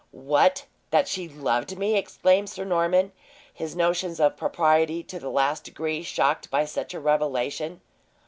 "What! That she loved me!" exclaimed Sir Norman, his notions of propriety to the last degree shocked by such a revelation.